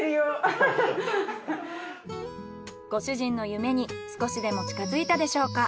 ご主人の夢に少しでも近づいたでしょうか？